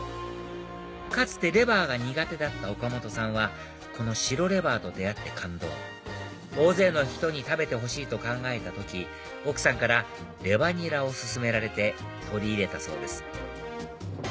かつてレバーが苦手だった岡本さんはこの白レバーと出会って感動大勢の人に食べてほしいと考えた時奥さんからレバニラを薦められて取り入れたそうです